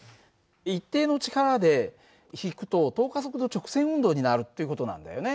一定の力で引くと等加速度直線運動になるっていう事なんだよね。